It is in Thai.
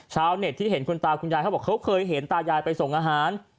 ชาวเน็ตที่เห็นคุณตาคุณยายเขาบอกเขาเคยเห็นตายายไปส่งอาหาร